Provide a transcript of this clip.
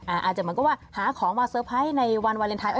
อาจจะเหมือนกับว่าหาของมาเตอร์ไพรส์ในวันวาเลนไทย